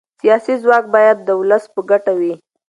سیاسي ځواک باید د ولس په ګټه وي